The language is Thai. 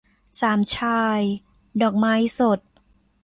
สามชาย - ดอกไม้สด